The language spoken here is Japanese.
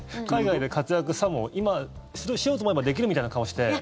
海外で活躍さも今、それをしようと思えばできるみたいな顔して。